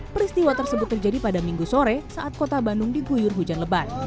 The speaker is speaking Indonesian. peristiwa tersebut terjadi pada minggu sore saat kota bandung diguyur hujan lebat